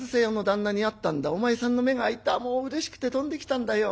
お前さんの目が明いたもううれしくて飛んできたんだよ。